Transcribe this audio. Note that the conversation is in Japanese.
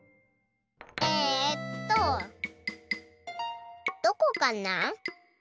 えっとどこかな？